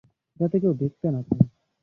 যাতে কেউ দেখতে না পায়।